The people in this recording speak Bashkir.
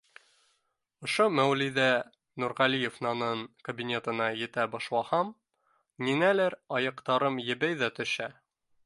Ошо Мәүлиҙә Нурғәлиевнаның кабинетына етә башлаһам, ниңәлер аяҡтарым ебей ҙә төшә.